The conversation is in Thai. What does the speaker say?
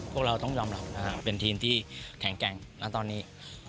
พวกเราต้องยอมรับว่าเป็นทีมที่แข็งแกร่งนะตอนนี้